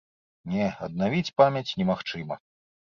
Не, аднавіць памяць немагчыма.